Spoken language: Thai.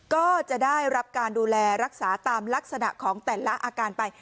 ก็จะได้รับการดูแลรักษาตามลักษณะของแต่ละอาการไป